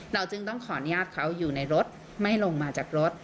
จึงต้องขออนุญาตเขาอยู่ในรถไม่ลงมาจากรถ